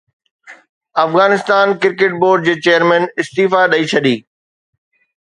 Afghanistan cricket board جي chairman استعيفيٰ ڏئي ڇڏي